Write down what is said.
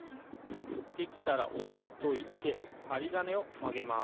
できたらおいといてはりがねをまげます。